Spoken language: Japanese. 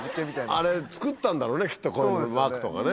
あれ作ったんだろうねきっとマークとかね。